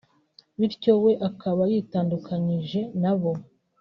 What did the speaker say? bityo we akaba “yitandukanyije na bo”